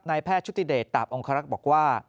นายแพทย์ชุติเดตตามองค์ฮารักษณ์บอกว่า